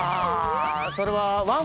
それは。